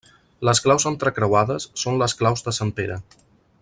Les claus entrecreuades són les claus de Sant Pere.